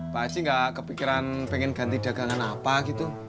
pak haji nggak kepikiran pengen ganti dagangan apa gitu